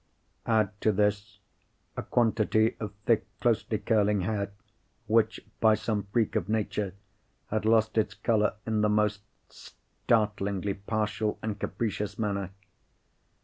Add to this a quantity of thick closely curling hair, which, by some freak of Nature, had lost its colour in the most startlingly partial and capricious manner.